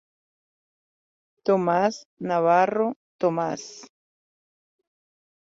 Tomás Navarro Tomás.